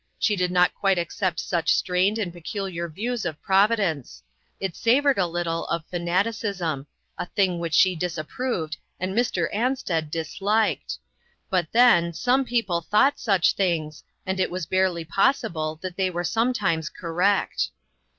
She did not quite accept such strained and A "FANATIC." 163 peculiar views of Providence. It savored a little of fanaticism a thing which she disapproved, and Mr. Ansted disliked; but then, some people thought such things, and it was barely possible that they were some times correct.